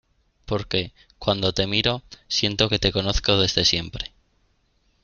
porque, cuando te miro , siento que te conozco desde siempre.